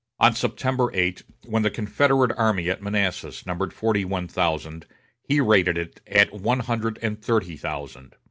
On September 8, when the Confederate army at Manassas numbered forty one thousand, he rated it at one hundred and thirty thousand.